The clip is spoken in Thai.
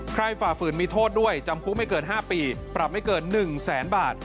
ฝ่าฝืนมีโทษด้วยจำคุกไม่เกิน๕ปีปรับไม่เกิน๑แสนบาท